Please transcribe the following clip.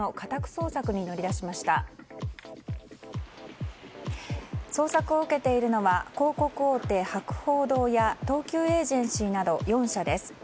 捜索を受けているのは広告大手・博報堂や東急エージェンシーなど４社です。